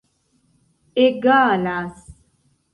egalas